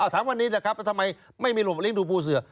ถามวันนี้นะครับทำไมไม่มีหลบเลี้ยดูปูเสือ